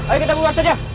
ayo kita keluar saja